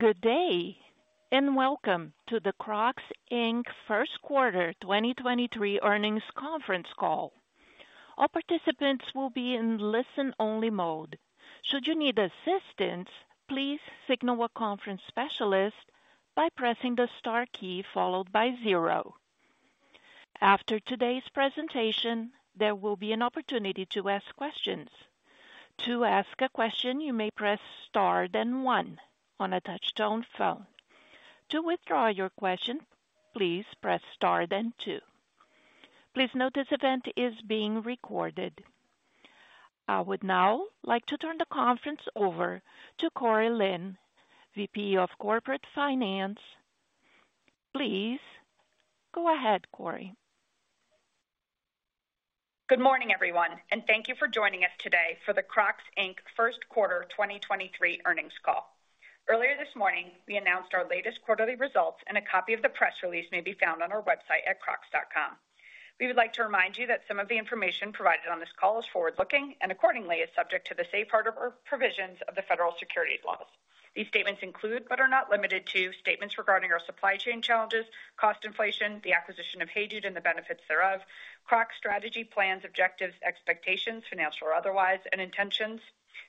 Good day, and welcome to the Crocs, Inc. first quarter 2023 earnings conference call. All participants will be in listen-only mode. Should you need assistance, please signal a conference specialist by pressing the star key followed by zero. After today's presentation, there will be an opportunity to ask questions. To ask a question, you may press star then one on a touch-tone phone. To withdraw your question, please press star then two. Please note this event is being recorded. I would now like to turn the conference over to Cori Lin, VP of Corporate Finance. Please go ahead, Cori. Good morning, everyone, and thank you for joining us today for the Crocs, Inc. first quarter 2023 earnings call. Earlier this morning, we announced our latest quarterly results, and a copy of the press release may be found on our website at crocs.com. We would like to remind you that some of the information provided on this call is forward-looking and accordingly, is subject to the safe harbor provisions of the federal securities laws. These statements include, but are not limited to, statements regarding our supply chain challenges, cost inflation, the acquisition of HEYDUDE and the benefits thereof, Crocs strategy, plans, objectives, expectations, financial or otherwise, and intentions,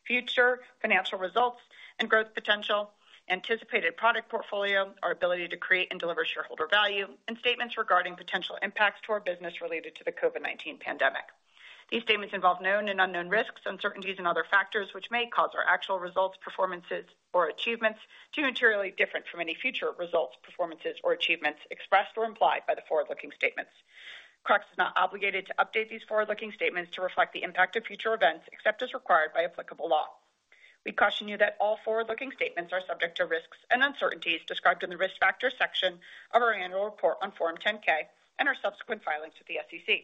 future financial results and growth potential, anticipated product portfolio, our ability to create and deliver shareholder value, and statements regarding potential impacts to our business related to the COVID-19 pandemic. These statements involve known and unknown risks, uncertainties and other factors which may cause our actual results, performances or achievements to materially different from any future results, performances or achievements expressed or implied by the forward-looking statements. Crocs is not obligated to update these forward-looking statements to reflect the impact of future events, except as required by applicable law. We caution you that all forward-looking statements are subject to risks and uncertainties described in the Risk Factors section of our annual report on Form 10-K and our subsequent filings with the SEC.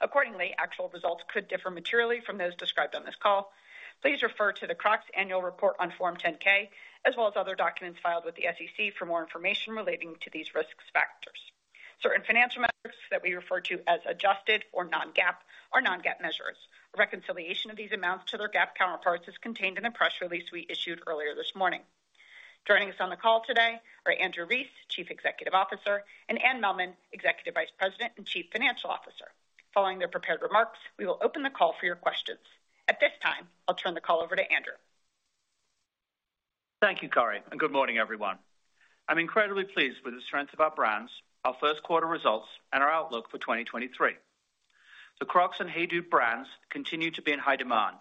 Accordingly, actual results could differ materially from those described on this call. Please refer to the Crocs annual report on Form 10-K as well as other documents filed with the SEC for more information relating to these risks factors. Certain financial measures that we refer to as adjusted or non-GAAP are non-GAAP measures. A reconciliation of these amounts to their GAAP counterparts is contained in the press release we issued earlier this morning. Joining us on the call today are Andrew Rees, Chief Executive Officer, and Anne Mehlman, Executive Vice President and Chief Financial Officer. Following their prepared remarks, we will open the call for your questions. At this time, I'll turn the call over to Andrew. Thank you, Cori, good morning, everyone. I'm incredibly pleased with the strength of our brands, our first quarter results and our outlook for 2023. The Crocs and HEYDUDE brands continue to be in high demand,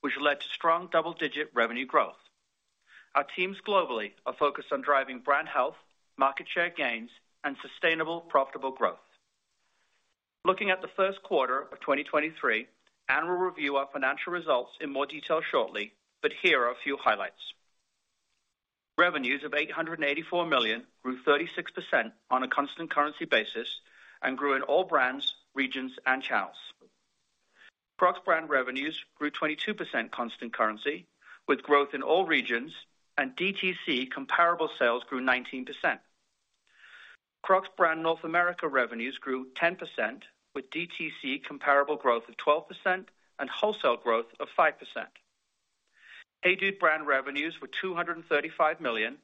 which led to strong double-digit revenue growth. Our teams globally are focused on driving brand health, market share gains and sustainable, profitable growth. Looking at the first quarter of 2023, Anne will review our financial results in more detail shortly, here are a few highlights. Revenues of $884 million grew 36% on a constant currency basis and grew in all brands, regions and channels. Crocs brand revenues grew 22% constant currency with growth in all regions, DTC comparable sales grew 19%. Crocs brand North America revenues grew 10%, with DTC comparable growth of 12% and wholesale growth of 5%. HEYDUDE brand revenues were $235 million,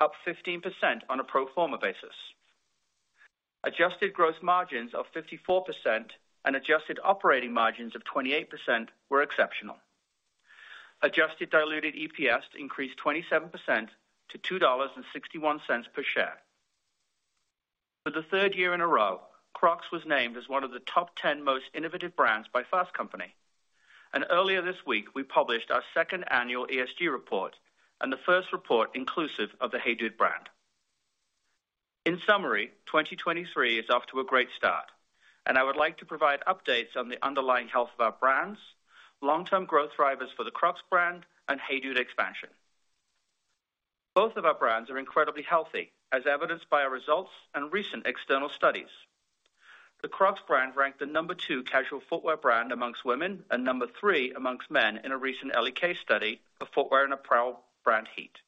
up 15% on a pro forma basis. Adjusted gross margins of 54% and adjusted operating margins of 28% were exceptional. Adjusted diluted EPS increased 27% to $2.61 per share. For the third year in a row, Crocs was named as one of the top 10 Most Innovative Brands by Fast Company. Earlier this week, we published our second annual ESG report and the first report inclusive of the HEYDUDE brand. In summary, 2023 is off to a great start, and I would like to provide updates on the underlying health of our brands, long-term growth drivers for the Crocs brand and HEYDUDE expansion. Both of our brands are incredibly healthy, as evidenced by our results and recent external studies. The Crocs brand ranked the number two casual footwear brand amongst women and number three amongst men in a recent LEK study of footwear and apparel brand heat.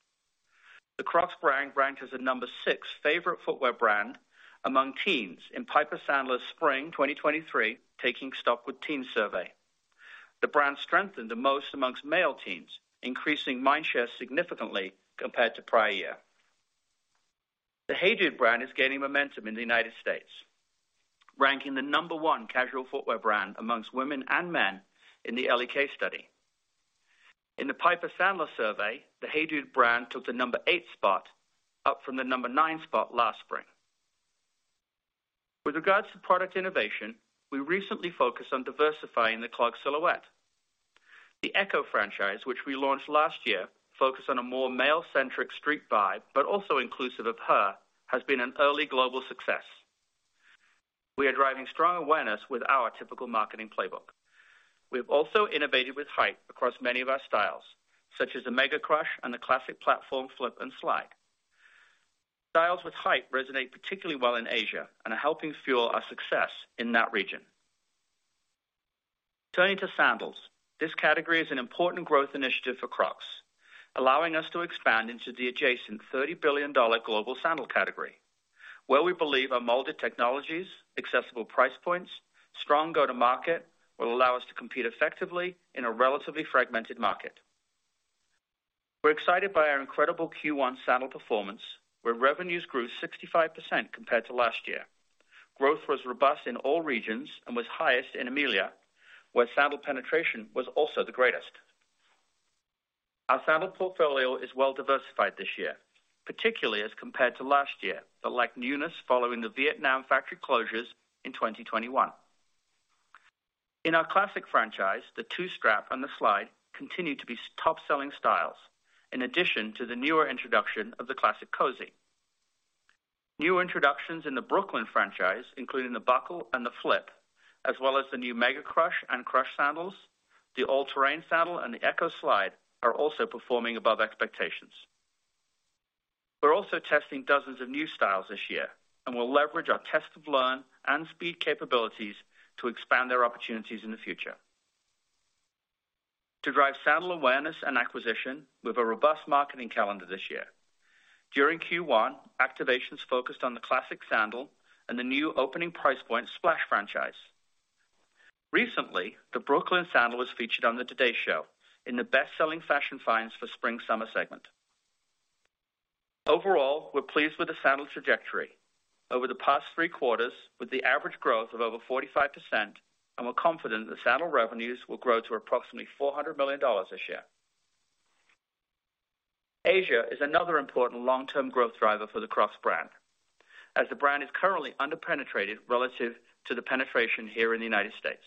The Crocs brand ranked as the number six favorite footwear brand among teens in Piper Sandler's Spring 2023 Taking Stock With Teens survey. The brand strengthened the most amongst male teens, increasing mindshare significantly compared to prior year. The HEYDUDE brand is gaining momentum in the United States, ranking the number one casual footwear brand amongst women and men in the LEK study. In the Piper Sandler survey, the HEYDUDE brand took the number eight spot, up from the number nine spot last spring. With regards to product innovation, we recently focused on diversifying the clog silhouette. The Echo franchise, which we launched last year, focused on a more male-centric street vibe, but also inclusive of her, has been an early global success. We are driving strong awareness with our typical marketing playbook. We have also innovated with height across many of our styles, such as the Mega Crush and the Classic Platform Flip and Slide. Styles with height resonate particularly well in Asia and are helping fuel our success in that region. Turning to sandals, this category is an important growth initiative for Crocs, allowing us to expand into the adjacent $30 billion global sandal category. Where we believe our molded technologies, accessible price points, strong go-to-market will allow us to compete effectively in a relatively fragmented market. We're excited by our incredible Q1 sandal performance, where revenues grew 65% compared to last year. Growth was robust in all regions and was highest in EMEALA, where sandal penetration was also the greatest. Our sandal portfolio is well-diversified this year, particularly as compared to last year, like newness following the Vietnam factory closures in 2021. In our Classic franchise, the two-strap on the Slide continued to be top-selling styles in addition to the newer introduction of the Classic Cozzzy. New introductions in the Brooklyn franchise, including the buckle and the flip, as well as the new Mega Crush and Crush sandals. The All-Terrain sandal and the Echo Slide are also performing above expectations. We're also testing dozens of new styles this year, we'll leverage our test of learn and speed capabilities to expand their opportunities in the future. To drive sandal awareness and acquisition, we have a robust marketing calendar this year. During Q1, activations focused on the classic sandal and the new opening price point Splash franchise. Recently, the Brooklyn sandal was featured on the Today Show in the best-selling fashion finds for spring summer segment. Overall, we're pleased with the sandal trajectory over the past three quarters with the average growth of over 45%, and we're confident the sandal revenues will grow to approximately $400 million this year. Asia is another important long-term growth driver for the Crocs brand, as the brand is currently under penetrated relative to the penetration here in the United States.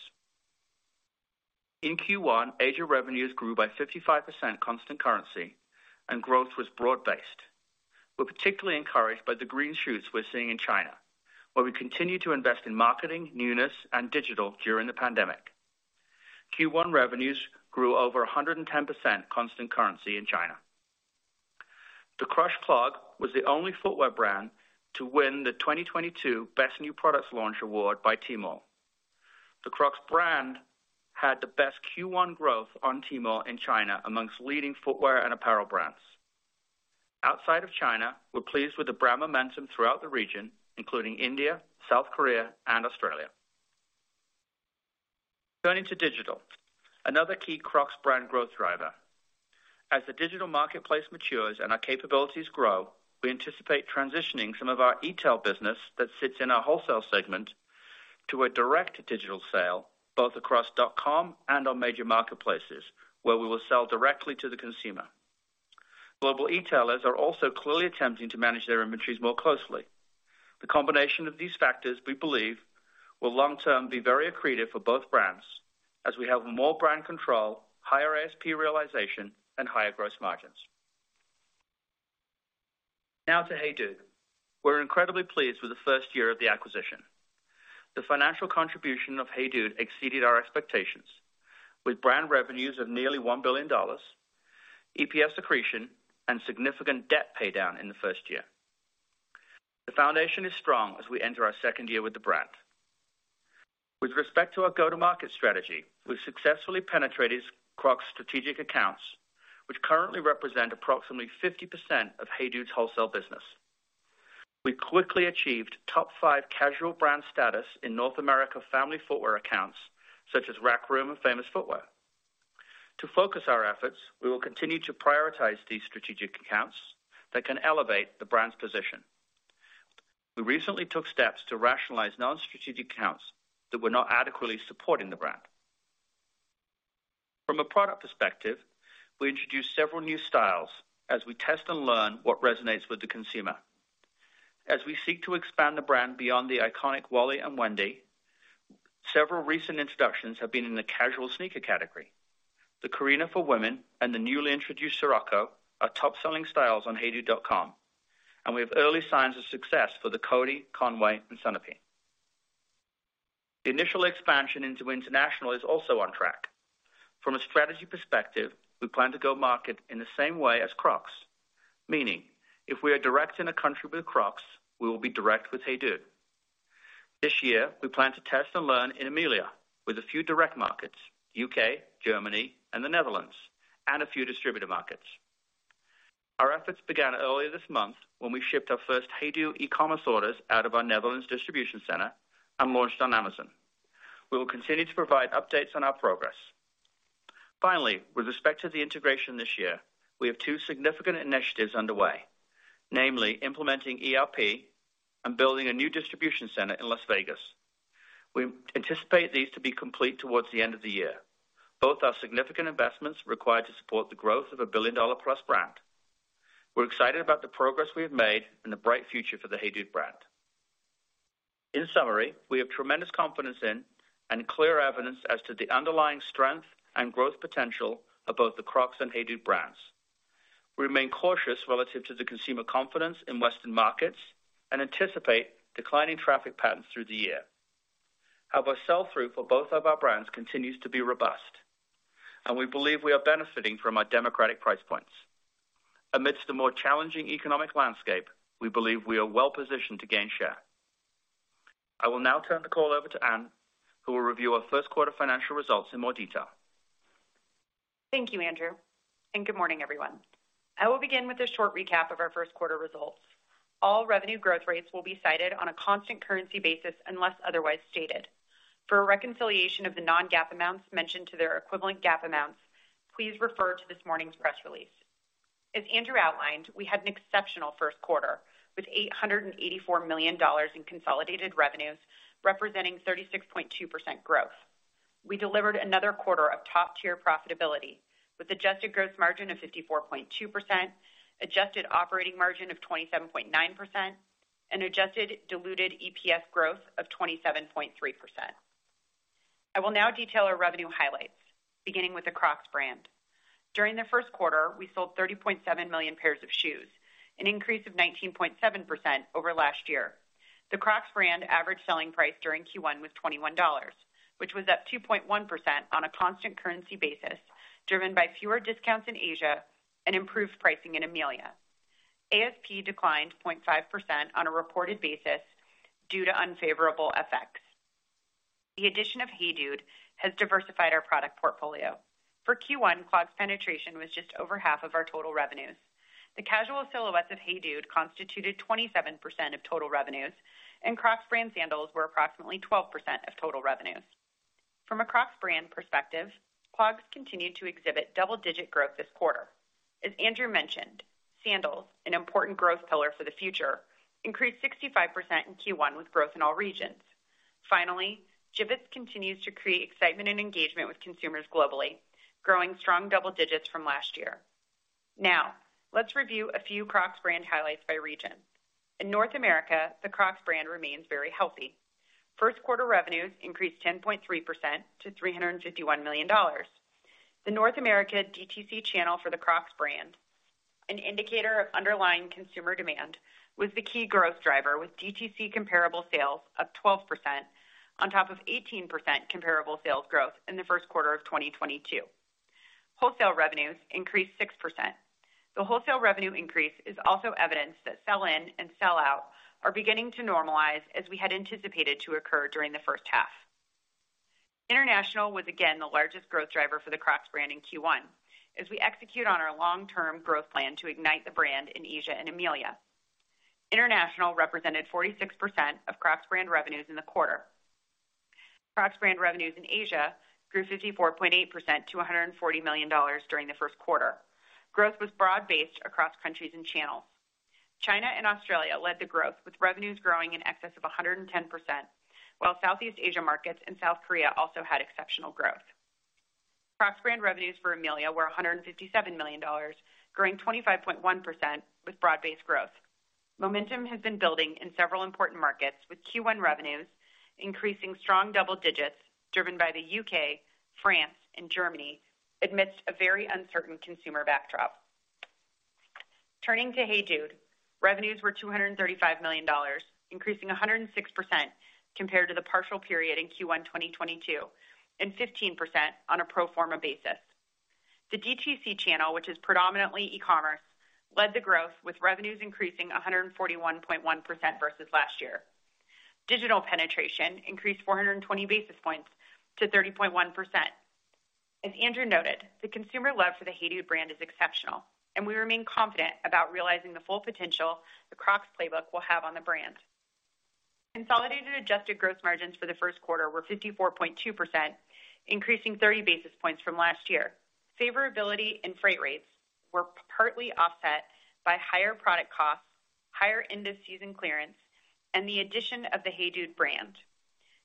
In Q1, Asia revenues grew by 55% constant currency, and growth was broad-based. We're particularly encouraged by the green shoots we're seeing in China, where we continue to invest in marketing, newness, and digital during the pandemic. Q1 revenues grew over 110% constant currency in China. The Crush Clog was the only footwear brand to win the 2022 Best New Products Launch Award by Tmall. The Crocs brand had the best Q1 growth on Tmall in China amongst leading footwear and apparel brands. Outside of China, we're pleased with the brand momentum throughout the region, including India, South Korea, and Australia. Turning to digital, another key Crocs brand growth driver. As the digital marketplace matures and our capabilities grow, we anticipate transitioning some of our e-tail business that sits in our wholesale segment to a direct digital sale, both across crocs.com and on major marketplaces, where we will sell directly to the consumer. Global e-tailers are also clearly attempting to manage their inventories more closely. The combination of these factors, we believe, will long-term be very accretive for both brands as we have more brand control, higher ASP realization, and higher gross margins. Now to HEYDUDE. We're incredibly pleased with the first year of the acquisition. The financial contribution of HEYDUDE exceeded our expectations with brand revenues of nearly $1 billion, EPS accretion, and significant debt pay down in the first year. The foundation is strong as we enter our second year with the brand. With respect to our go-to-market strategy, we've successfully penetrated Crocs strategic accounts, which currently represent approximately 50% of HEYDUDE's wholesale business. We quickly achieved top five casual brand status in North America family footwear accounts such as Rack Room and Famous Footwear. To focus our efforts, we will continue to prioritize these strategic accounts that can elevate the brand's position. We recently took steps to rationalize non-strategic accounts that were not adequately supporting the brand. From a product perspective, we introduced several new styles as we test and learn what resonates with the consumer. As we seek to expand the brand beyond the iconic Wally and Wendy, several recent introductions have been in the casual sneaker category. The Karina for women and the newly introduced are top-selling styles on heydude.com, and we have early signs of success for the Cody, Conway, and Sunapee. The initial expansion into international is also on track. From a strategy perspective, we plan to go market in the same way as Crocs. Meaning if we are direct in a country with Crocs, we will be direct with HEYDUDE. This year, we plan to test and learn in EMEALA with a few direct markets, U.K., Germany, and the Netherlands, and a few distributor markets. Our efforts began earlier this month when we shipped our first HEYDUDE e-commerce orders out of our Netherlands distribution center and launched on Amazon. We will continue to provide updates on our progress. With respect to the integration this year, we have two significant initiatives underway, namely implementing ERP and building a new distribution center in Las Vegas. We anticipate these to be complete towards the end of the year. Both are significant investments required to support the growth of a billion-dollar plus brand. We're excited about the progress we have made and the bright future for the HEYDUDE brand. In summary, we have tremendous confidence in and clear evidence as to the underlying strength and growth potential of both the Crocs and HEYDUDE brands. Remain cautious relative to the consumer confidence in Western markets and anticipate declining traffic patterns through the year. Sell-through for both of our brands continues to be robust, and we believe we are benefiting from our democratic price points. Amidst a more challenging economic landscape, we believe we are well-positioned to gain share. I will now turn the call over to Anne, who will review our first quarter financial results in more detail. Thank you, Andrew. Good morning, everyone. I will begin with a short recap of our first quarter results. All revenue growth rates will be cited on a constant currency basis unless otherwise stated. For a reconciliation of the non-GAAP amounts mentioned to their equivalent GAAP amounts, please refer to this morning's press release. As Andrew outlined, we had an exceptional first quarter, with $884 million in consolidated revenues, representing 36.2% growth. We delivered another quarter of top-tier profitability with adjusted gross margin of 54.2%, adjusted operating margin of 27.9%, and adjusted diluted EPS growth of 27.3%. I will now detail our revenue highlights, beginning with the Crocs brand. During the first quarter, we sold 30.7 million pairs of shoes, an increase of 19.7% over last year. The Crocs brand average selling price during Q1 was $21, which was up 2.1% on a constant currency basis, driven by fewer discounts in Asia and improved pricing in EMEALA. ASP declined 0.5% on a reported basis due to unfavorable FX. The addition of HEYDUDE has diversified our product portfolio. For Q1, clogs penetration was just over half of our total revenues. The casual silhouettes of HEYDUDE constituted 27% of total revenues, and Crocs brand sandals were approximately 12% of total revenues. From a Crocs brand perspective, clogs continued to exhibit double-digit growth this quarter. As Andrew mentioned, sandals, an important growth pillar for the future, increased 65% in Q1 with growth in all regions. Finally, Jibbitz continues to create excitement and engagement with consumers globally, growing strong double digits from last year. Let's review a few Crocs brand highlights by region. In North America, the Crocs brand remains very healthy. First quarter revenues increased 10.3% to $351 million. The North America DTC channel for the Crocs brand, an indicator of underlying consumer demand, was the key growth driver, with DTC comparable sales up 12% on top of 18% comparable sales growth in the first quarter of 2022. Wholesale revenues increased 6%. The wholesale revenue increase is also evidence that sell-in and sell-out are beginning to normalize as we had anticipated to occur during the first half. International was again the largest growth driver for the Crocs brand in Q1 as we execute on our long-term growth plan to ignite the brand in Asia and EMEALA. International represented 46% of Crocs brand revenues in the quarter. Crocs brand revenues in Asia grew 54.8% to $140 million during the first quarter. Growth was broad-based across countries and channels. China and Australia led the growth, with revenues growing in excess of 110%, while Southeast Asia markets and South Korea also had exceptional growth. Crocs brand revenues for EMEALA were $157 million, growing 25.1% with broad-based growth. Momentum has been building in several important markets with Q1 revenues increasing strong double digits driven by the U.K., France, and Germany amidst a very uncertain consumer backdrop. Turning to HEYDUDE, revenues were $235 million, increasing 106% compared to the partial period in Q1 2022, and 15% on a pro forma basis. The DTC channel, which is predominantly e-commerce, led the growth with revenues increasing 141.1% versus last year. Digital penetration increased 420 basis points to 30.1%. As Andrew noted, the consumer love for the HEYDUDE brand is exceptional, and we remain confident about realizing the full potential the Crocs playbook will have on the brand. Consolidated adjusted gross margins for the first quarter were 54.2%, increasing 30 basis points from last year. Favorability in freight rates were partly offset by higher product costs, higher end-of-season clearance, and the addition of the HEYDUDE brand.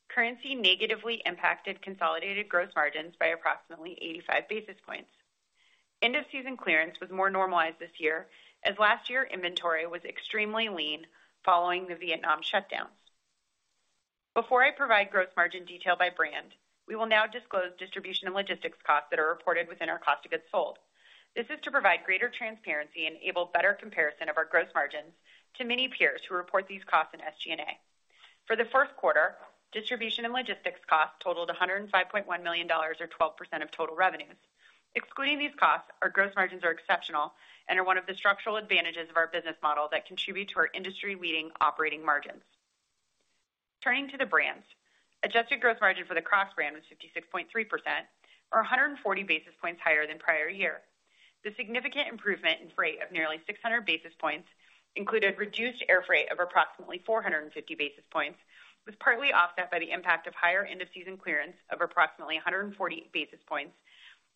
Currency negatively impacted consolidated gross margins by approximately 85 basis points. End of season clearance was more normalized this year, as last year inventory was extremely lean following the Vietnam shutdown. Before I provide gross margin detail by brand, we will now disclose distribution and logistics costs that are reported within our cost of goods sold. This is to provide greater transparency and enable better comparison of our gross margins to many peers who report these costs in SG&A. For the first quarter, distribution and logistics costs totaled $105.1 million or 12% of total revenues. Excluding these costs, our gross margins are exceptional and are one of the structural advantages of our business model that contribute to our industry-leading operating margins. Turning to the brands. Adjusted gross margin for the Crocs brand was 66.3% or 140 basis points higher than prior year. The significant improvement in freight of nearly 600 basis points included reduced air freight of approximately 450 basis points, was partly offset by the impact of higher end of season clearance of approximately 140 basis points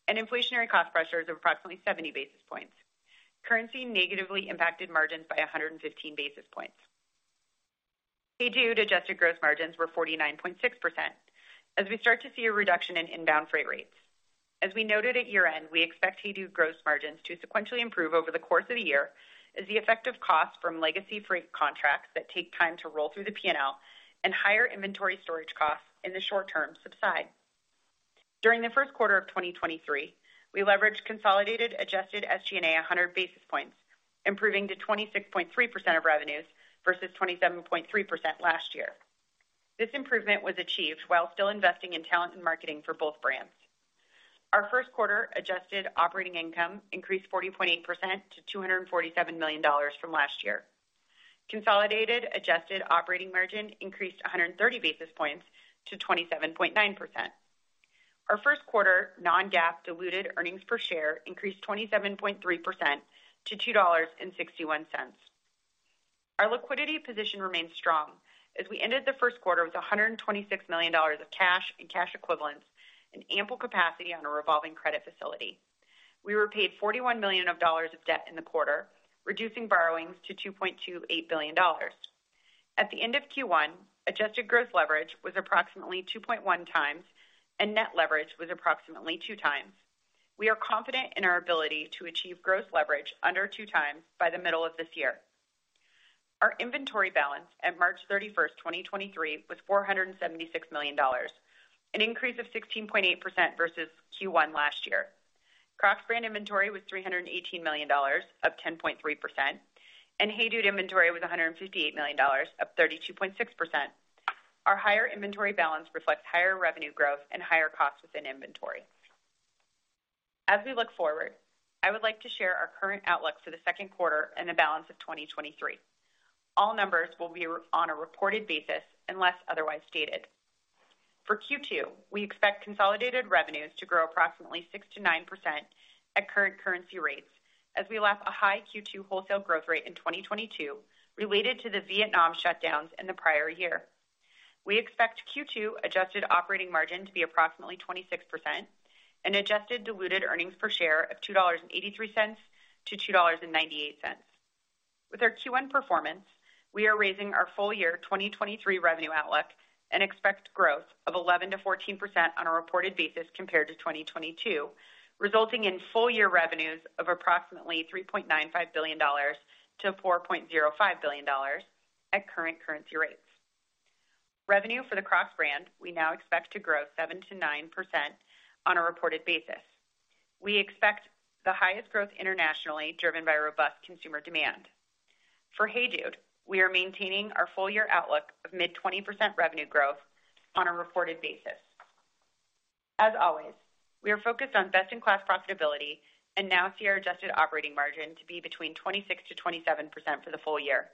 and inflationary cost pressures of approximately 70 basis points. Currency negatively impacted margins by 115 basis points. HEYDUDE adjusted gross margins were 49.6% as we start to see a reduction in inbound freight rates. As we noted at year-end, we expect HEYDUDE gross margins to sequentially improve over the course of the year as the effective cost from legacy freight contracts that take time to roll through the P&L and higher inventory storage costs in the short term subside. During the first quarter of 2023, we leveraged consolidated adjusted SG&A 100 basis points, improving to 26.3% of revenues versus 27.3% last year. This improvement was achieved while still investing in talent and marketing for both brands. Our first quarter adjusted operating income increased 40.8% to $247 million from last year. Consolidated adjusted operating margin increased 130 basis points to 27.9%. Our first quarter non-GAAP diluted earnings per share increased 27.3% to $2.61. Our liquidity position remains strong as we ended the first quarter with $126 million of cash and cash equivalents and ample capacity on a revolving credit facility. We were paid $41 million of debt in the quarter, reducing borrowings to $2.28 billion. At the end of Q1, adjusted gross leverage was approximately 2.1x and net leverage was approximately 2x. We are confident in our ability to achieve gross leverage under 2x by the middle of this year. Our inventory balance at March 31st, 2023 was $476 million, an increase of 16.8% versus Q1 last year. Crocs brand inventory was $318 million, up 10.3%, and HEYDUDE inventory was $158 million, up 32.6%. Our higher inventory balance reflects higher revenue growth and higher costs within inventory. As we look forward, I would like to share our current outlook for the second quarter and the balance of 2023. All numbers will be on a reported basis unless otherwise stated. For Q2, we expect consolidated revenues to grow approximately 6%-9% at current currency rates as we lap a high Q2 wholesale growth rate in 2022 related to the Vietnam shutdowns in the prior year. We expect Q2 adjusted operating margin to be approximately 26% and adjusted diluted earnings per share of $2.83-$2.98. With our Q1 performance, we are raising our full-year 2023 revenue outlook and expect growth of 11%-14% on a reported basis compared to 2022, resulting in full-year revenues of approximately $3.95 billion-$4.05 billion at current currency rates. Revenue for the Crocs brand we now expect to grow 7%-9% on a reported basis. We expect the highest growth internationally driven by robust consumer demand. For HEYDUDE, we are maintaining our full-year outlook of mid 20% revenue growth on a reported basis. As always, we are focused on best-in-class profitability and now see our adjusted operating margin to be between 26%-27% for the full year.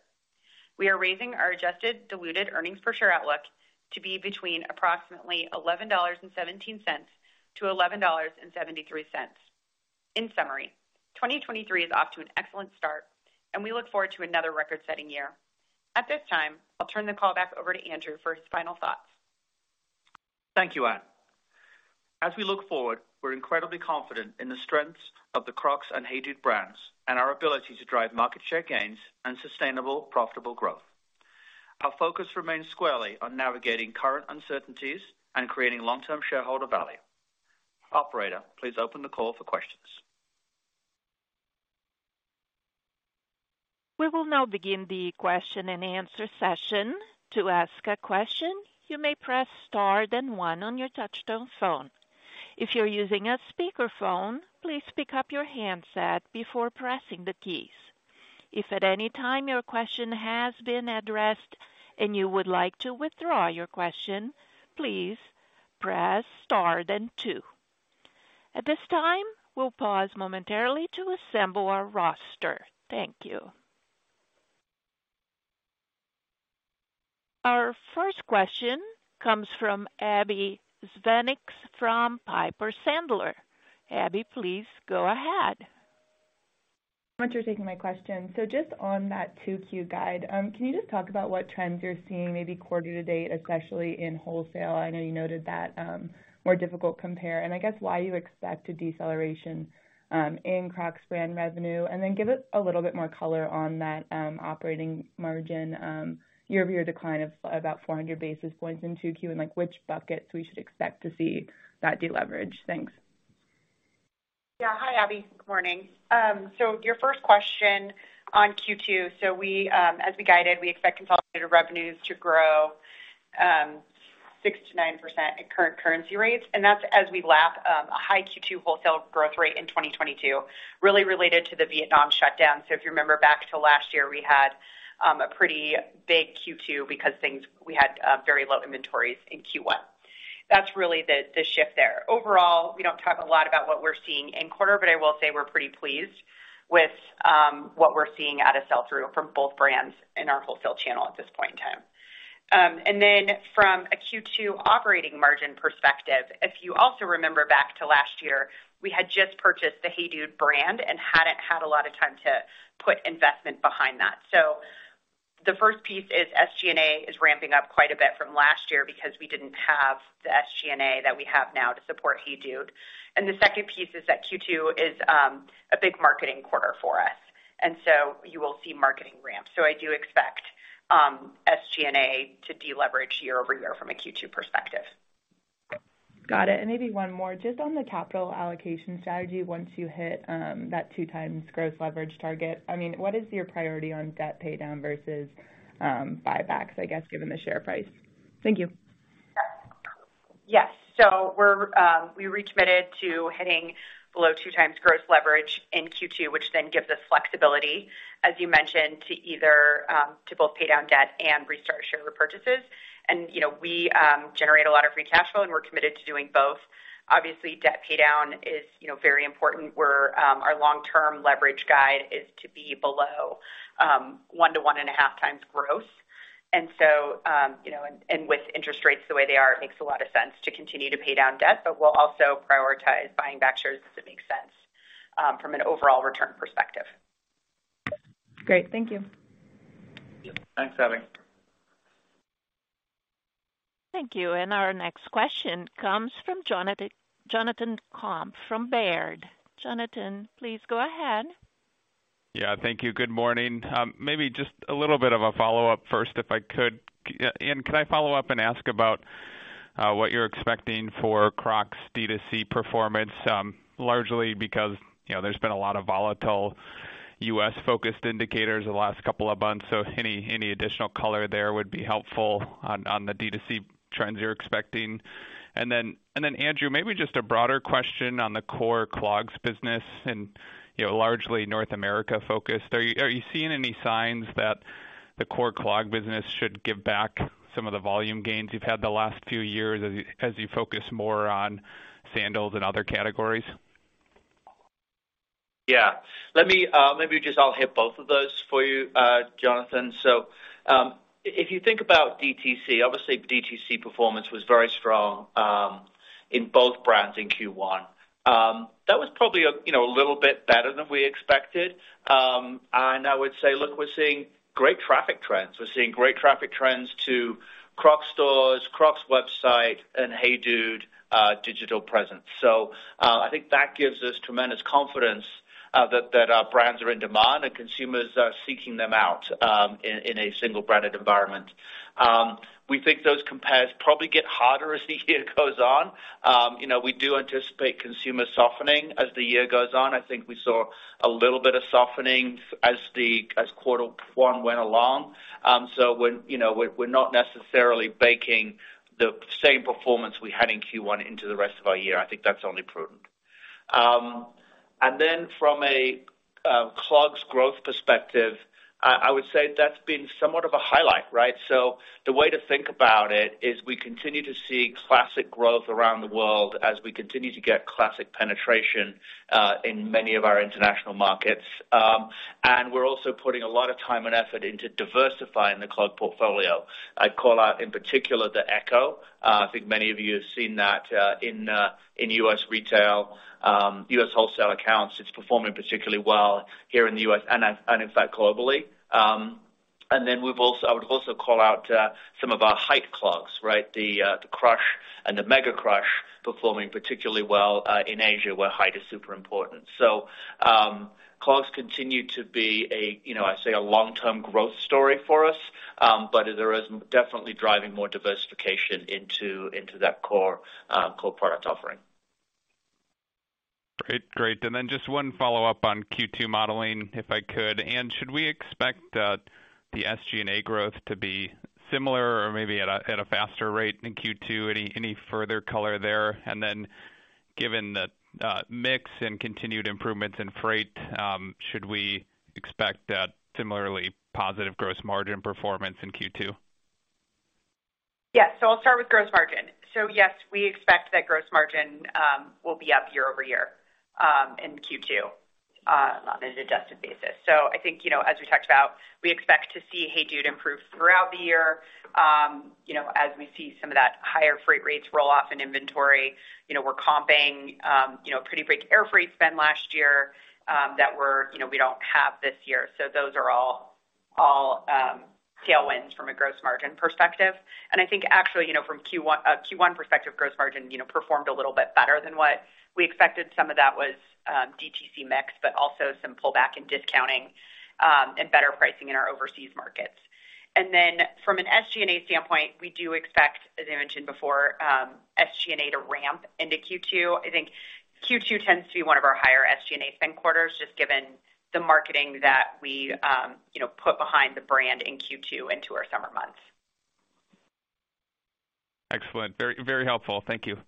We are raising our adjusted diluted earnings per share outlook to be between approximately $11.17-$11.73. In summary, 2023 is off to an excellent start and we look forward to another record-setting year. At this time, I'll turn the call back over to Andrew for his final thoughts. Thank you, Anne. As we look forward, we're incredibly confident in the strengths of the Crocs and HEYDUDE brands and our ability to drive market share gains and sustainable, profitable growth. Our focus remains squarely on navigating current uncertainties and creating long-term shareholder value. Operator, please open the call for questions. We will now begin the question and answer session. To ask a question, you may press star then one on your touchtone phone. If you're using a speakerphone, please pick up your handset before pressing the keys. If at any time your question has been addressed and you would like to withdraw your question, please press star then two. At this time, we'll pause momentarily to assemble our roster. Thank you. Our first question comes from Abbie Zvejnieks from Piper Sandler. Abbie, please go ahead. Much for taking my question. Just on that 2Q guide, can you just talk about what trends you're seeing maybe quarter to date, especially in wholesale? I know you noted that, more difficult compare, and I guess why you expect a deceleration, in Crocs brand revenue. Give us a little bit more color on that, operating margin, year-over-year decline of about 400 basis points in 2Q, and like, which buckets we should expect to see that deleverage. Thanks. Hi, Abbie. Good morning. Your first question on Q2. We, as we guided, we expect consolidated revenues to grow 6%-9% at current currency rates, and that's as we lap a high Q2 wholesale growth rate in 2022 really related to the Vietnam shutdown. If you remember back to last year, we had a pretty big Q2 because we had very low inventories in Q1. That's really the shift there. Overall, we don't talk a lot about what we're seeing in quarter, but I will say we're pretty pleased with what we're seeing out of sell-through from both brands in our wholesale channel at this point in time. From a Q2 operating margin perspective, if you also remember back to last year, we had just purchased the HEYDUDE brand and hadn't had a lot of time to put investment behind that. The first piece is SG&A is ramping up quite a bit from last year because we didn't have the SG&A that we have now to support HEYDUDE. The second piece is that Q2 is a big marketing quarter for us, you will see marketing ramp. I do expect SG&A to deleverage year-over-year from a Q2 perspective. Got it. Maybe one more. Just on the capital allocation strategy once you hit that 2x gross leverage target. I mean, what is your priority on debt paydown versus buybacks, I guess, given the share price? Thank you. Yes. We're recommitted to hitting below 2x gross leverage in Q2, which then gives us flexibility, as you mentioned, to both pay down debt and restart share repurchases. You know, we generate a lot of free cash flow, and we're committed to doing both. Obviously, debt pay down is, you know, very important, where our long-term leverage guide is to be below 1x to 1.5x gross. You know, and with interest rates the way they are, it makes a lot of sense to continue to pay down debt, but we'll also prioritize buying back shares if it makes sense from an overall return perspective. Great. Thank you. Thanks, Abbie. Thank you. Our next question comes from Jonathan Komp from Baird. Jonathan, please go ahead. Yeah, thank you. Good morning. Maybe just a little bit of a follow-up first, if I could. Anne, could I follow up and ask about what you're expecting for Crocs DTC performance, largely because, you know, there's been a lot of volatile U.S.-focused indicators the last couple of months, so any additional color there would be helpful on the DTC trends you're expecting. Andrew, maybe just a broader question on the core clogs business and, you know, largely North America-focused. Are you seeing any signs that the core clog business should give back some of the volume gains you've had the last few years as you focus more on sandals and other categories? Yeah. Let me, maybe just I'll hit both of those for you, Jonathan. If you think about DTC, obviously DTC performance was very strong in both brands in Q1. That was probably a, you know, a little bit better than we expected. I would say, look, we're seeing great traffic trends. We're seeing great traffic trends to Crocs stores, Crocs website, and HEYDUDE digital presence. I think that gives us tremendous confidence that our brands are in demand and consumers are seeking them out in a single-branded environment. We think those compares probably get harder as the year goes on. You know, we do anticipate consumer softening as the year goes on. I think we saw a little bit of softening as quarter one went along. You know, we're not necessarily baking the same performance we had in Q1 into the rest of our year. I think that's only prudent. Clogs growth perspective, I would say that's been somewhat of a highlight, right? The way to think about it is we continue to see classic growth around the world as we continue to get classic penetration in many of our international markets. We're also putting a lot of time and effort into diversifying the clog portfolio. I'd call out in particular the Echo. I think many of you have seen that in U.S. retail, U.S. wholesale accounts. It's performing particularly well here in the U.S. and in fact, globally. And then we've also I would also call out, some of our height clogs, right? The, the Crush and the Mega Crush performing particularly well, in Asia, where height is super important. Clogs continue to be a, you know, I say a long-term growth story for us, but there is definitely driving more diversification into that core product offering. Great. Great. Just one follow-up on Q2 modeling, if I could. Anne, should we expect the SG&A growth to be similar or maybe at a faster rate in Q2? Any further color there? Given the mix and continued improvements in freight, should we expect a similarly positive gross margin performance in Q2? Yes. I'll start with gross margin. Yes, we expect that gross margin will be up year-over-year in Q2 on an adjusted basis. I think, you know, as we talked about, we expect to see HEYDUDE improve throughout the year. You know, as we see some of that higher freight rates roll off in inventory. You know, we're comping, you know, pretty big air freight spend last year, you know, we don't have this year. Those are all tailwinds from a gross margin perspective. I think actually, you know, from Q1 perspective, gross margin, you know, performed a little bit better than what we expected. Some of that was DTC mix, but also some pullback in discounting and better pricing in our overseas markets. From an SG&A standpoint, we do expect, as I mentioned before, SG&A to ramp into Q2. I think Q2 tends to be one of our higher SG&A spend quarters just given the marketing that we, you know, put behind the brand in Q2 into our summer months. Excellent. Very, very helpful. Thank you.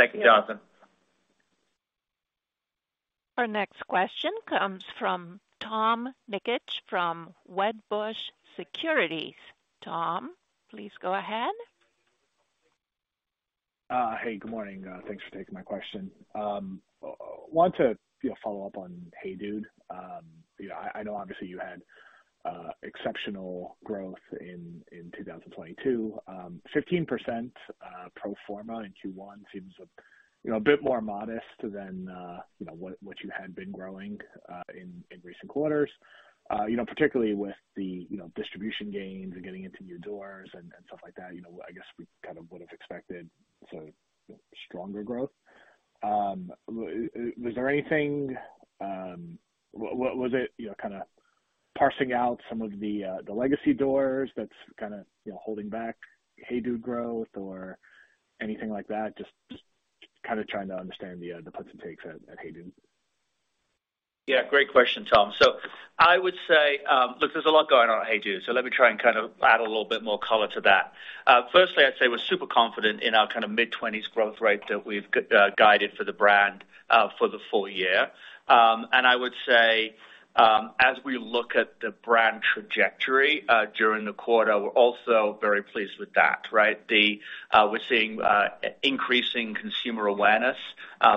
Thank you, Jonathan. Our next question comes from Tom Nikic from Wedbush Securities. Tom, please go ahead. Hey, good morning. Thanks for taking my question. Want to, you know, follow up on HEYDUDE. You know, I know obviously you had exceptional growth in 2022. 15% pro forma in Q1 seems a, you know, a bit more modest than, you know, what you had been growing in recent quarters. You know, particularly with the, you know, distribution gains and getting into new doors and stuff like that, you know, I guess we kind of would have expected sort of stronger growth. Was there anything? Was it, you know, kinda parsing out some of the legacy doors that's kinda, you know, holding back HEYDUDE growth or anything like that? Just kinda trying to understand the puts and takes at HEYDUDE. Yeah, great question, Tom. I would say, look, there's a lot going on at HEYDUDE, so let me try and kind of add a little bit more color to that. Firstly, I'd say we're super confident in our kinda mid-twenties growth rate that we've guided for the brand, for the full year. I would say, as we look at the brand trajectory, during the quarter, we're also very pleased with that, right? We're seeing increasing consumer awareness,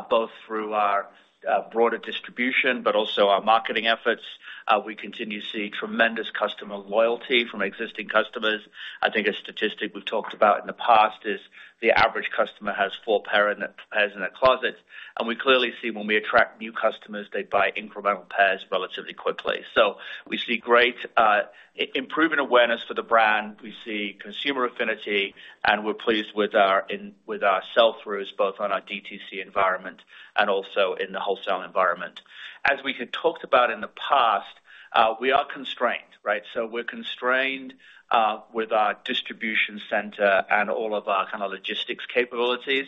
both through our broader distribution, but also our marketing efforts. We continue to see tremendous customer loyalty from existing customers. I think a statistic we've talked about in the past is the average customer has four pairs in their closet, and we clearly see when we attract new customers, they buy incremental pairs relatively quickly. We see great improve in awareness for the brand. We see consumer affinity, and we're pleased with our sell-throughs, both on our DTC environment and also in the wholesale environment. As we had talked about in the past, we are constrained, right? We're constrained with our distribution center and all of our kinda logistics capabilities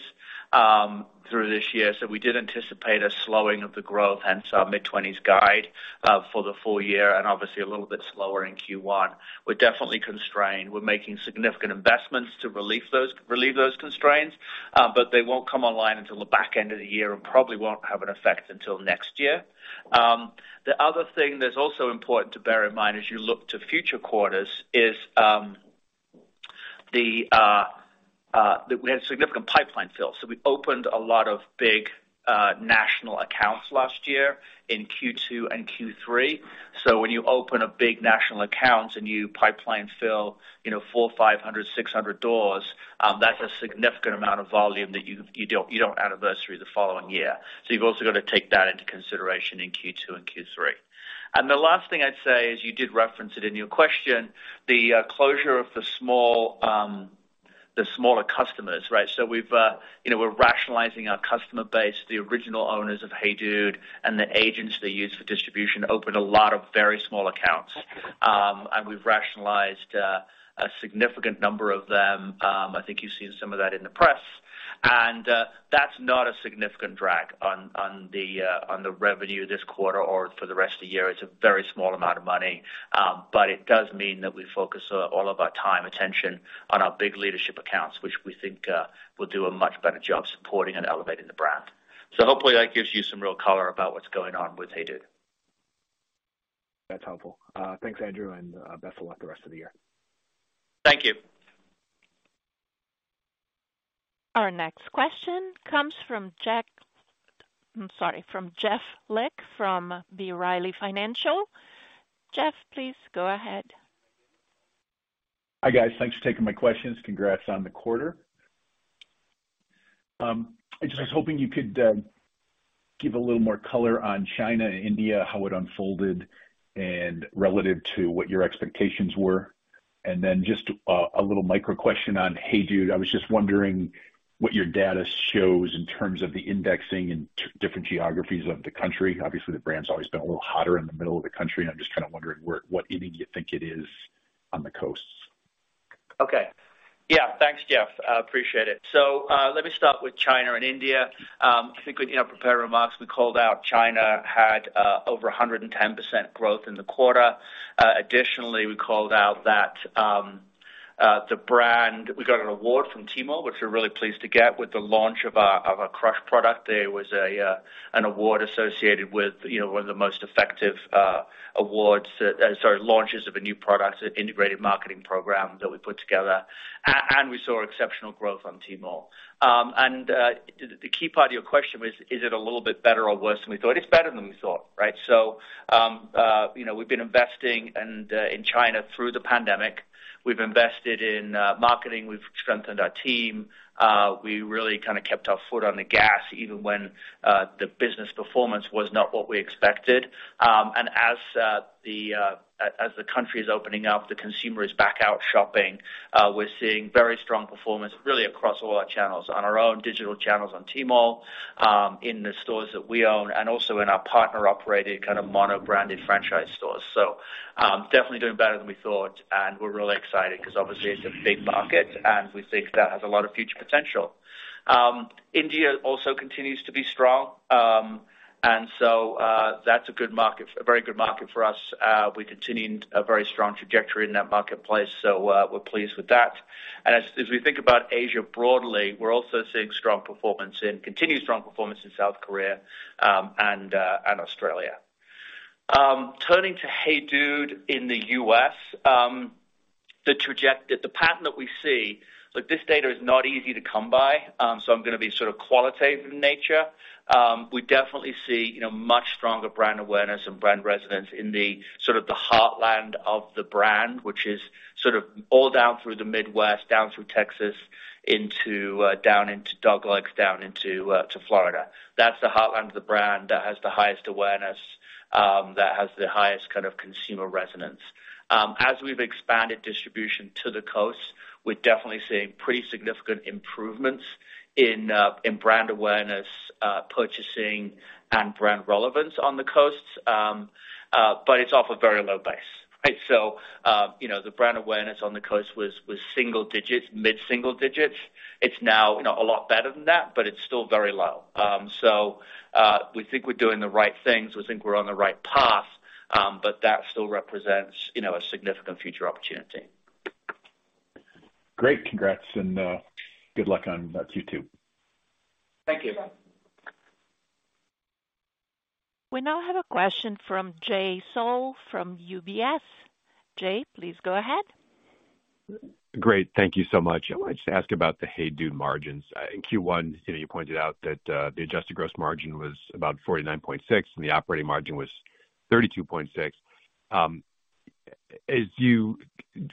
through this year. We did anticipate a slowing of the growth, hence our mid-20s guide for the full year and obviously a little bit slower in Q1. We're definitely constrained. We're making significant investments to relieve those constraints, but they won't come online until the back end of the year and probably won't have an effect until next year. The other thing that's also important to bear in mind as you look to future quarters is that we had significant pipeline fill. We opened a lot of big national accounts last year in Q2 and Q3. When you open up big national accounts and you pipeline fill, you know, 400, 500, 600 doors, that's a significant amount of volume that you don't anniversary the following year. You've also got to take that into consideration in Q2 and Q3. The last thing I'd say is, you did reference it in your question, the closure of the small, the smaller customers, right? We've, you know, we're rationalizing our customer base. The original owners of HEYDUDE and the agents they use for distribution opened a lot of very small accounts. We've rationalized a significant number of them. I think you've seen some of that in the press. That's not a significant drag on the revenue this quarter or for the rest of the year. It's a very small amount of money, but it does mean that we focus all of our time and attention on our big leadership accounts, which we think will do a much better job supporting and elevating the brand. Hopefully that gives you some real color about what's going on with HEYDUDE. That's helpful. Thanks, Andrew, and best of luck the rest of the year. Thank you. Our next question comes from Jeff Lick from B. Riley Financial. Jeff, please go ahead. Hi, guys. Thanks for taking my questions. Congrats on the quarter. I just was hoping you could give a little more color on China and India, how it unfolded and relative to what your expectations were. Just a little micro question on HEYDUDE. I was just wondering what your data shows in terms of the indexing in different geographies of the country. Obviously, the brand's always been a little hotter in the middle of the country, and I'm just kind of wondering what inning you think it is on the coasts. Okay. Yeah. Thanks, Jeff. I appreciate it. Let me start with China and India. I think in our prepared remarks, we called out China had over 110% growth in the quarter. Additionally, we called out that We got an award from Tmall, which we're really pleased to get with the launch of our Crush product. There was an award associated with, you know, one of the most effective awards that sorry, launches of a new product, an integrated marketing program that we put together. We saw exceptional growth on Tmall. The key part of your question was, is it a little bit better or worse than we thought? It's better than we thought, right? You know, we've been investing in China through the pandemic. We've invested in marketing. We've strengthened our team. We really kinda kept our foot on the gas, even when the business performance was not what we expected. As the country is opening up, the consumer is back out shopping, we're seeing very strong performance really across all our channels, on our own digital channels on Tmall, in the stores that we own and also in our partner-operated kinda mono-branded franchise stores. Definitely doing better than we thought, and we're really excited because obviously it's a big market, and we think that has a lot of future potential. India also continues to be strong. That's a good market, a very good market for us. We continued a very strong trajectory in that marketplace. We're pleased with that. As we think about Asia broadly, we're also seeing strong performance in continued strong performance in South Korea and Australia. Turning to HEYDUDE in the U.S., the pattern that we see. Look, this data is not easy to come by, I'm gonna be sort of qualitative in nature. We definitely see, you know, much stronger brand awareness and brand resonance in the, sort of the heartland of the brand, which is sort of all down through the Midwest, down through Texas, into Douglas, down into Florida. That's the heartland of the brand that has the highest awareness, that has the highest kind of consumer resonance. As we've expanded distribution to the coast, we're definitely seeing pretty significant improvements in brand awareness, purchasing and brand relevance on the coasts. It's off a very low base, right? You know, the brand awareness on the coast was single digits, mid-single digits. It's now, you know, a lot better than that, but it's still very low. We think we're doing the right things. We think we're on the right path. That still represents, you know, a significant future opportunity. Great. Congrats and, good luck on, Q2. Thank you. We now have a question from Jay Sole from UBS. Jay, please go ahead. Great. Thank you so much. I wanted to ask about the HEYDUDE margins. In Q1, you pointed out that the adjusted gross margin was about 49.6%, and the operating margin was 32.6%. As you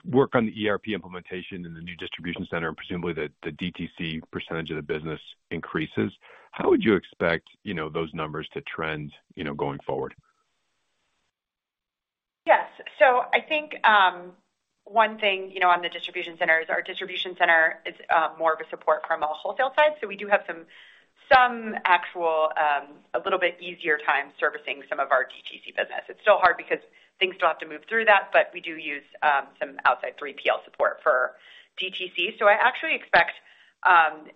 work on the ERP implementation and the new distribution center, and presumably the DTC percentage of the business increases, how would you expect, you know, those numbers to trend, you know, going forward? Yes. I think, you know, one thing on the distribution center is our distribution center is more of a support from a wholesale side. We do have some actual a little bit easier time servicing some of our DTC business. It's still hard because things still have to move through that, but we do use some outside 3PL support for DTC. I actually expect,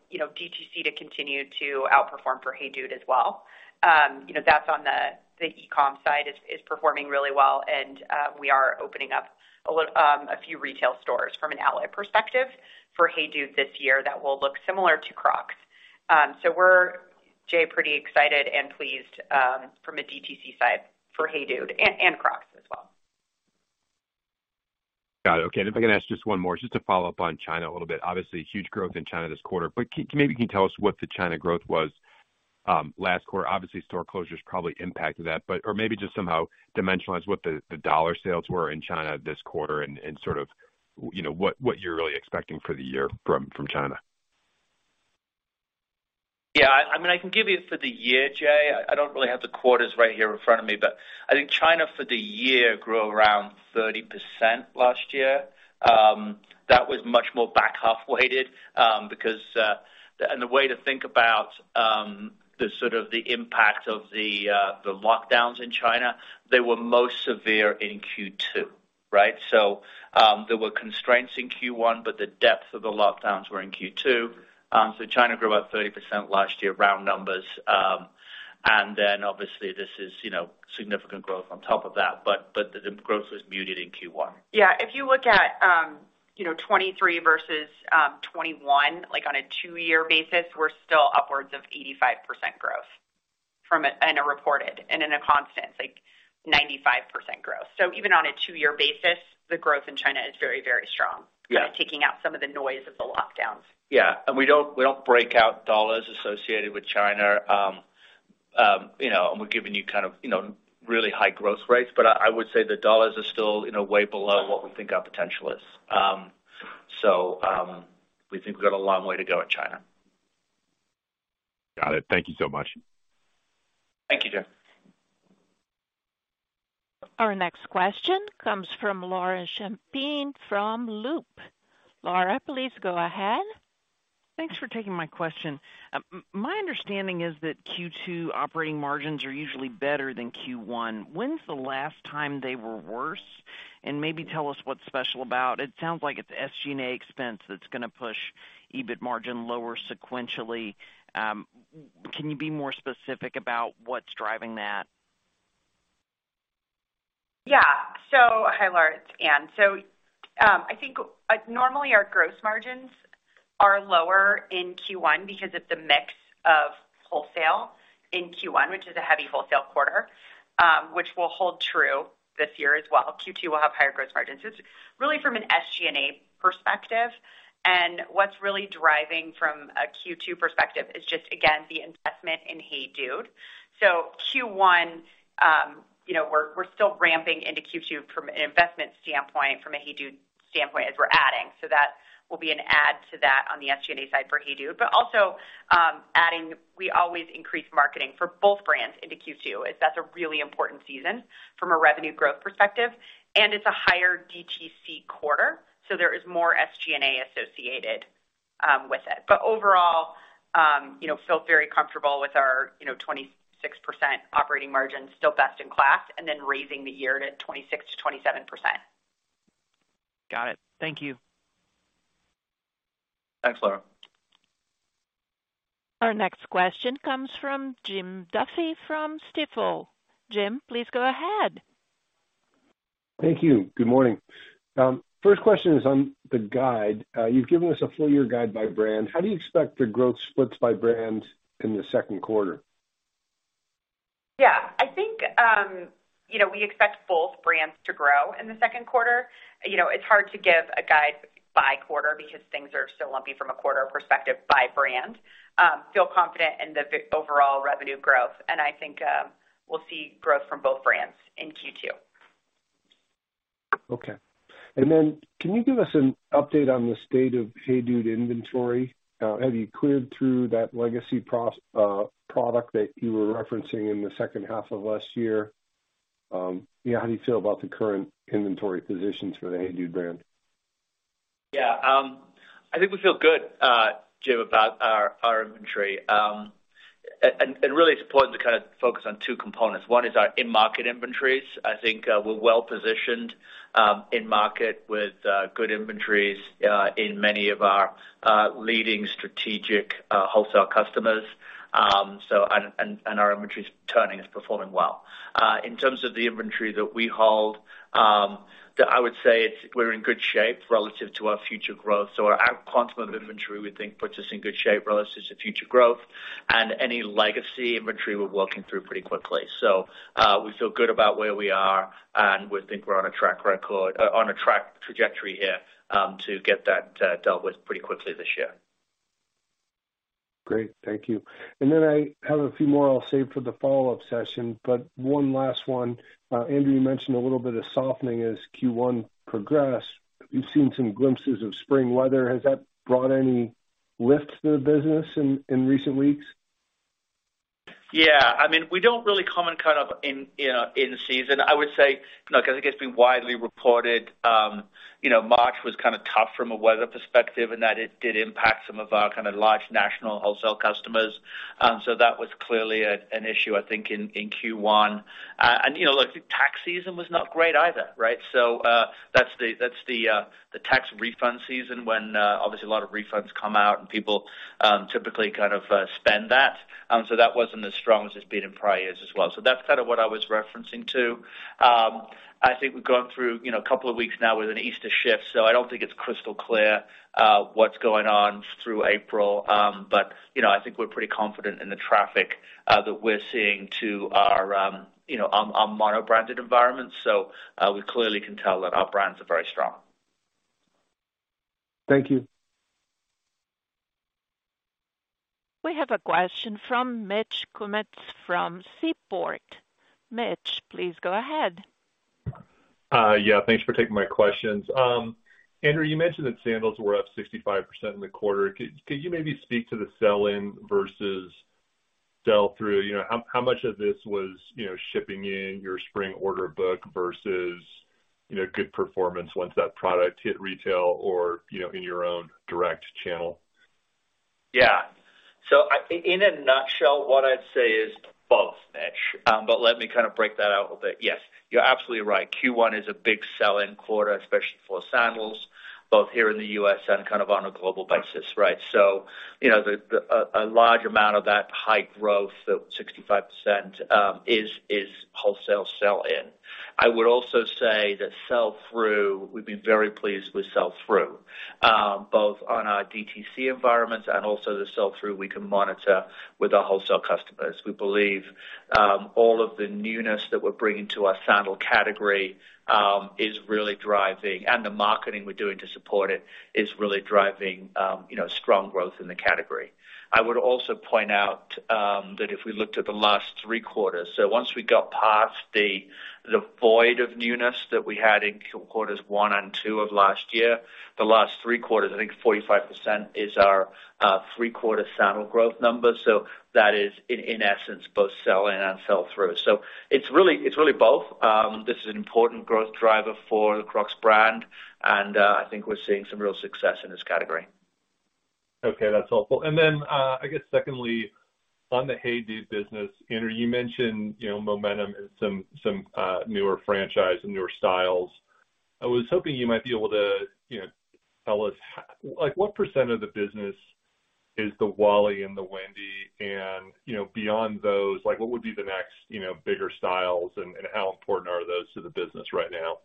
you know, DTC to continue to outperform for HEYDUDE as well. You know, that's on the e-com side is performing really well, and we are opening up a few retail stores from an outlet perspective for HEYDUDE this year that will look similar to Crocs. We're, Jay, pretty excited and pleased from a DTC side for HEYDUDE and Crocs as well. Got it. Okay. If I can ask just one more, just to follow up on China a little bit. Obviously, huge growth in China this quarter. Maybe you can tell us what the China growth was last quarter? Obviously, store closures probably impacted that. Maybe just somehow dimensionalize what the dollar sales were in China this quarter and, you know, what you're really expecting for the year from China? Yeah, I mean, I can give you for the year, Jay. I don't really have the quarters right here in front of me, but I think China for the year grew around 30% last year. That was much more back-half weighted because the way to think about the sort of the impact of the lockdowns in China, they were most severe in Q2, right? There were constraints in Q1, but the depth of the lockdowns were in Q2. China grew about 30% last year, round numbers. Then obviously this is, you know, significant growth on top of that, but the growth was muted in Q1. Yeah. If you look at, you know, 2023 versus, 2021, like, on a two-year basis, we're still upwards of 85% growth in a reported and in a constant, like, 95% growth. Even on a two-year basis, the growth in China is very, very strong. Yeah. Taking out some of the noise of the lockdowns. Yeah. We don't, we don't break out dollars associated with China. you know, we're giving you kind of, you know, really high growth rates, but I would say the dollars are still, you know, way below what we think our potential is. We think we've got a long way to go in China. Got it. Thank you so much. Thank you, Jay. Our next question comes from Laura Champine from Loop. Laura, please go ahead. Thanks for taking my question. My understanding is that Q2 operating margins are usually better than Q1. When's the last time they were worse? Maybe tell us what's special about. It sounds like it's SG&A expense that's gonna push EBIT margin lower sequentially. Can you be more specific about what's driving that? Hi, Laura, it's Anne. I think normally our gross margins are lower in Q1 because of the mix of wholesale in Q1, which is a heavy wholesale quarter, which will hold true this year as well. Q2 will have higher gross margins. It's really from an SG&A perspective. What's really driving from a Q2 perspective is just again, the investment in HEYDUDE. Q1, you know, we're still ramping into Q2 from an investment standpoint, from a HEYDUDE standpoint as we're adding. That will be an add to that on the SG&A side for HEYDUDE. Also, adding, we always increase marketing for both brands into Q2 as that's a really important season from a revenue growth perspective, and it's a higher DTC quarter, there is more SG&A associated with it. Overall, you know, feel very comfortable with our, you know, 26% operating margin, still best in class, and then raising the year to 26%-27%. Got it. Thank you. Thanks, Laura. Our next question comes from Jim Duffy from Stifel. Jim, please go ahead. Thank you. Good morning. First question is on the guide. You've given us a full-year guide by brand. How do you expect the growth splits by brand in the second quarter? Yeah. I think, you know, we expect both brands to grow in the second quarter. You know, it's hard to give a guide by quarter because things are still lumpy from a quarter perspective by brand. Feel confident in the overall revenue growth, and I think, we'll see growth from both brands in Q2. Okay. Then can you give us an update on the state of HEYDUDE inventory? Have you cleared through that legacy product that you were referencing in the second half of last year? Yeah, how do you feel about the current inventory positions for the HEYDUDE brand? I think we feel good, Jim, about our inventory. Really it's important to kind of focus on two components. One is our in-market inventories. I think we're well-positioned in market with good inventories in many of our leading strategic wholesale customers. Our inventory is turning, it's performing well. In terms of the inventory that we hold, that I would say we're in good shape relative to our future growth. Our quantum of inventory, we think puts us in good shape relative to future growth and any legacy inventory we're working through pretty quickly. We feel good about where we are, and we think we're on a track trajectory here to get that dealt with pretty quickly this year. Great. Thank you. Then I have a few more I'll save for the follow-up session. One last one. Andrew, you mentioned a little bit of softening as Q1 progressed. We've seen some glimpses of spring weather. Has that brought any lift to the business in recent weeks? Yeah. I mean, we don't really comment kind of in, you know, in season. I would say, look, I think it's been widely reported. You know, March was kind of tough from a weather perspective, and that it did impact some of our kind of large national wholesale customers. That was clearly an issue, I think in Q1. You know, look, tax season was not great either, right? That's the, that's the tax refund season when obviously a lot of refunds come out and people typically kind of spend that. That wasn't as strong as it's been in prior years as well. That's kind of what I was referencing to. I think we've gone through, you know, a couple of weeks now with an Easter shift, so I don't think it's crystal clear what's going on through April. You know, I think we're pretty confident in the traffic that we're seeing to our, you know, our mono-branded environment. We clearly can tell that our brands are very strong. Thank you. We have a question from Mitch Kummetz from Seaport. Mitch, please go ahead. Yeah, thanks for taking my questions. Andrew, you mentioned that sandals were up 65% in the quarter. Could you maybe speak to the sell-in versus sell-through? You know, how much of this was, you know, shipping in your spring order book versus, you know, good performance once that product hit retail or, you know, in your own direct channel? In a nutshell, what I'd say is both, Mitch. Let me kind of break that out a bit. Yes, you're absolutely right. Q1 is a big sell-in quarter, especially for sandals, both here in the U.S. and kind of on a global basis, right? You know, a large amount of that high growth, the 65%, is wholesale sell-in. I would also say that sell-through, we've been very pleased with sell-through, both on our DTC environments and also the sell-through we can monitor with our wholesale customers. We believe, all of the newness that we're bringing to our sandal category, is really driving. The marketing we're doing to support it is really driving, you know, strong growth in the category. I would also point out that if we looked at the last three quarters, so once we got past the void of newness that we had in quarters one and two of last year, the last three quarters, I think 45% is our three-quarter sandal growth number. That is in essence, both sell-in and sell-through. It's really both. This is an important growth driver for the Crocs brand, and I think we're seeing some real success in this category. Okay. That's helpful. I guess secondly, on the HEYDUDE business, Andrew, you mentioned, you know, momentum in some newer franchise and newer styles. I was hoping you might be able to, you know, tell us, like, what percent of the business is the Wally and the Wendy and, you know, beyond those, like, what would be the next, you know, bigger styles and how important are those to the business right now?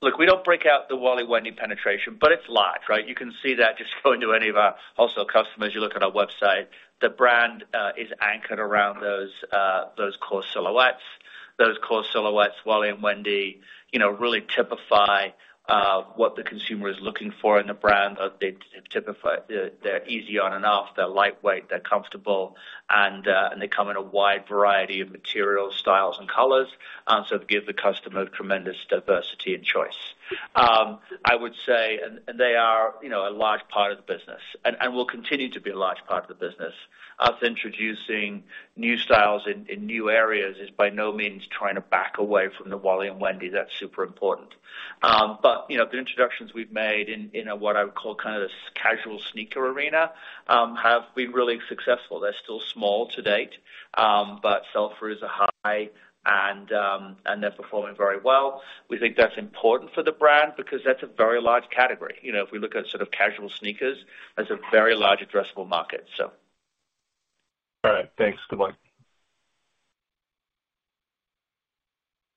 Look, we don't break out the Wally, Wendy penetration, but it's large, right? You can see that just going to any of our wholesale customers. You look at our website. The brand is anchored around those core silhouettes. Those core silhouettes, Wally and Wendy, you know, really typify what the consumer is looking for in the brand. They're easy on and off, they're lightweight, they're comfortable, and they come in a wide variety of materials, styles, and colors. Give the customer tremendous diversity and choice. They are, you know, a large part of the business and will continue to be a large part of the business. Us introducing new styles in new areas is by no means trying to back away from the Wally and Wendy. That's super important. You know, the introductions we've made in a what I would call kind of this casual sneaker arena have been really successful. They're still small to date, but sell-throughs are high and they're performing very well. We think that's important for the brand because that's a very large category. You know, if we look at sort of casual sneakers, that's a very large addressable market. All right. Thanks. Good luck.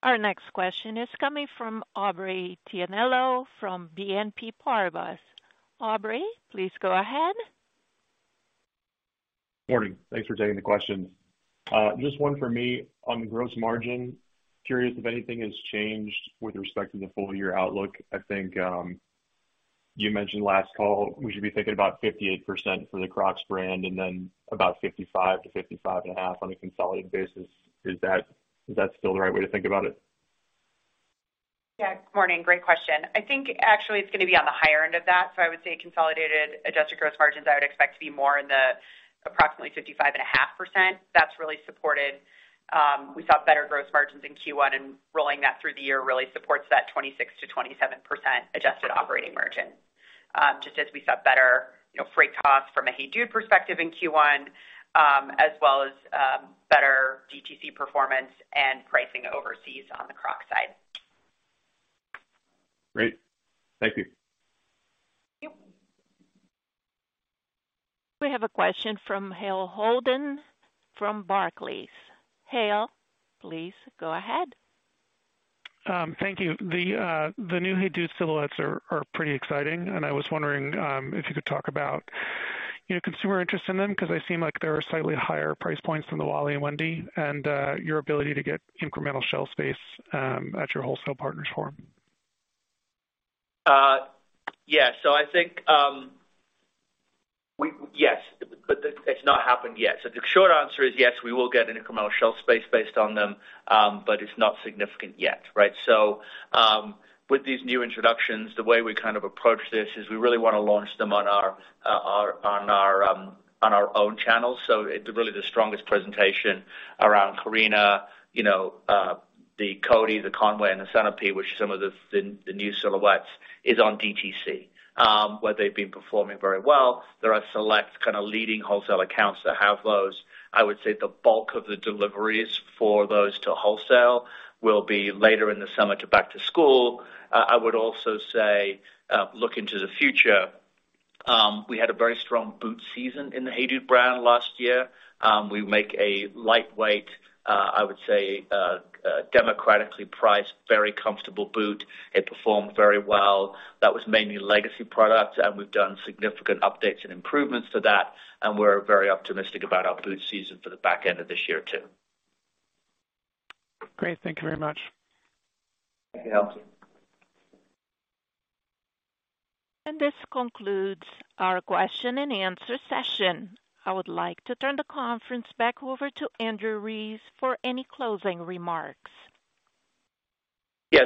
Our next question is coming from Aubrey Tianello from BNP Paribas. Aubrey, please go ahead. Morning. Thanks for taking the questions. Just one for me on gross margin. Curious if anything has changed with respect to the full-year outlook. I think you mentioned last call, we should be thinking about 58% for the Crocs brand and then about 55%-55.5% on a consolidated basis. Is that still the right way to think about it? Yeah. Morning. Great question. I think actually it's gonna be on the higher end of that. I would say consolidated adjusted gross margins I would expect to be more in the... Approximately 55.5%. That's really supported, we saw better gross margins in Q1. Rolling that through the year really supports that 26%-27% adjusted operating margin. Just as we saw better, you know, freight costs from a HEYDUDE perspective in Q1, as well as, better DTC performance and pricing overseas on the Crocs side. Great. Thank you. Thank you. We have a question from Hale Holden from Barclays. Hale, please go ahead. Thank you. The new HEYDUDE silhouettes are pretty exciting, and I was wondering, if you could talk about, you know, consumer interest in them 'cause they seem like they're slightly higher price points than the Wally and Wendy, and your ability to get incremental shelf space at your wholesale partners forum. Yeah. I think, Yes, but it's not happened yet. The short answer is yes, we will get incremental shelf space based on them, but it's not significant yet, right? With these new introductions, the way we kind of approach this is we really wanna launch them on our own channels. It's really the strongest presentation around Karina, you know, the Cody, the Conway, and the Sunapee, which some of the new silhouettes is on DTC, where they've been performing very well. There are select kinda leading wholesale accounts that have those. I would say the bulk of the deliveries for those to wholesale will be later in the summer to back to school. I would also say, look into the future, we had a very strong boot season in the HEYDUDE brand last year. We make a lightweight, I would say, democratically priced, very comfortable boot. It performed very well. That was mainly legacy product, and we've done significant updates and improvements to that, and we're very optimistic about our boot season for the back end of this year too. Great. Thank you very much. Thank you, Hale. This concludes our question and answer session. I would like to turn the conference back over to Andrew Rees for any closing remarks.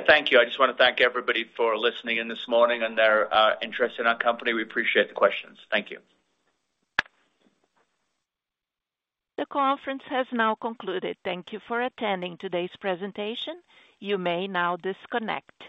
Thank you. I just wanna thank everybody for listening in this morning and their interest in our company. We appreciate the questions. Thank you. The conference has now concluded. Thank you for attending today's presentation. You may now disconnect.